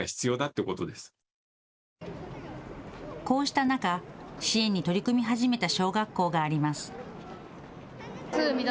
こうした中、支援に取り組み始めた小学校があります。